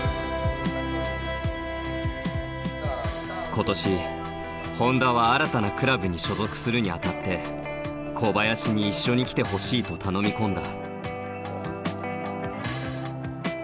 今年本多は新たなクラブに所属するにあたって小林に一緒に来てほしいと頼み込んだ。